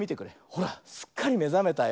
ほらすっかりめざめたよ。